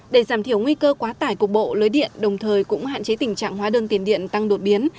để giảm thiểu nguy cơ quá tải cục bộ lưới điện đồng thời cũng hạn chế tình trạng hóa đơn tiền điện tăng đột biến